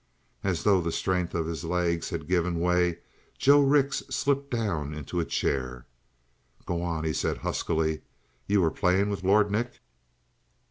As though the strength of his legs had given way, Joe Rix slipped down into a chair. "Go on," he said huskily. "You were playing with Lord Nick?"